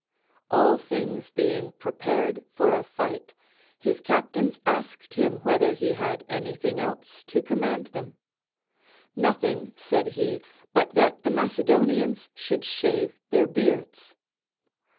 All things being prepared for a fight, his captains asked him whether he had any thing else to command them. Nothing, said he, but that the Macedonians should shave their beards.